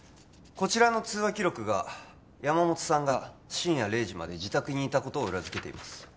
こちらの通話記録が山本さんが深夜０時まで自宅にいたことを裏付けています